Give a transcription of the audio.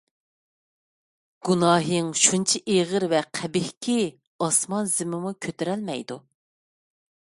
گۇناھىڭ شۇنچە ئېغىر ۋە قەبىھكى، ئاسمان - زېمىنمۇ كۆتۈرەلمەيدۇ!